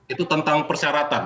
itu tentang persyaratan